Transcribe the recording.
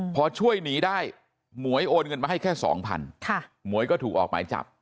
พอช่วยหนีได้หมวยโอนเงินมาให้แค่สองพันหมวยก็ถูกออกหมายจับ